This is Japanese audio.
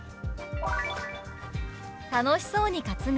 「楽しそうに担ぐ」。